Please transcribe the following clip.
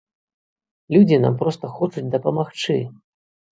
Людзі нам проста хочуць дапамагчы!